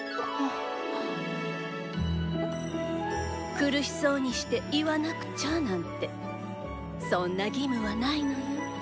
「苦しそうにして言わなくちゃ」なんてそんな義務はないのよ。